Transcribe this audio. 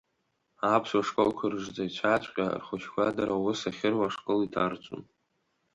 Аԥсуа школқәа рырҵаҩцәаҵәҟьа рхәыҷқәа дара аус ахьыруа ашкол иҭарҵом.